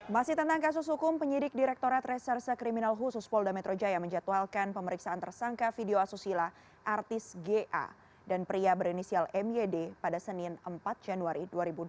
masih tentang kasus hukum penyidik direktorat reserse kriminal khusus polda metro jaya menjatuhalkan pemeriksaan tersangka video asusila artis ga dan pria berinisial myd pada senin empat januari dua ribu dua puluh